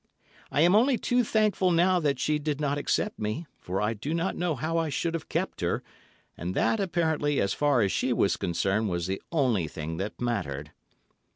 I am only too thankful now that she did not accept me, for I do not know how I should have kept her, and that, apparently, as far as she was concerned, was the only thing that mattered.